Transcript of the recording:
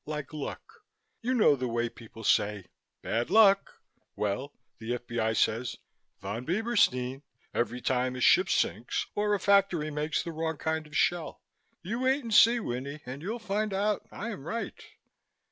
Like luck. You know the way people say, 'Bad Luck!' Well, the F.B.I. says 'Von Bieberstein' every time a ship sinks or a factory makes the wrong kind of shell. You wait and see, Winnie, and you'll find out I am right."